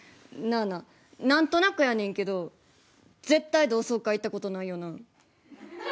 なあなあ何となくやねんけど絶対同窓会行った事ないよな。